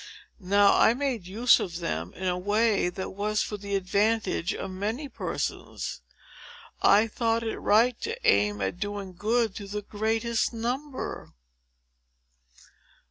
Now, I made use of them in a way that was for the advantage of many persons. I thought it right to aim at doing good to the greatest number."